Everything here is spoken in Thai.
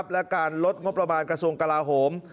และการลดงบประมาณกระทรวงกลาโหม